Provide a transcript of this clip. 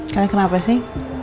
kalian kenapa sih